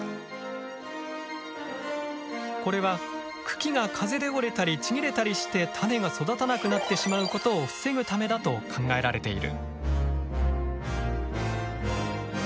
これは茎が風で折れたりちぎれたりして種が育たなくなってしまうことを防ぐためだと考えられている。